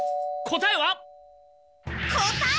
答えは！